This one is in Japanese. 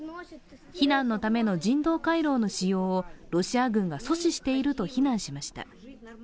避難のための人道回廊の使用をロシア軍が阻止していると非難しました。